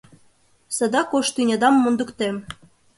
Садак ош тӱнядам мондыктем.